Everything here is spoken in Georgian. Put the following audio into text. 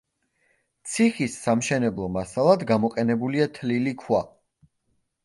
ციხის სამშენებლო მასალად გამოყენებულია თლილი ქვა.